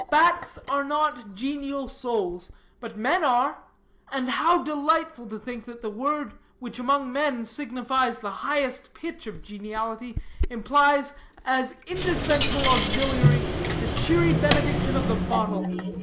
Bats are not genial souls. But men are; and how delightful to think that the word which among men signifies the highest pitch of geniality, implies, as indispensable auxiliary, the cheery benediction of the bottle.